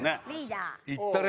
行ったれ。